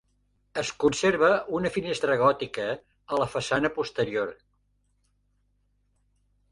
Es conserva una finestra gòtica a la façana posterior.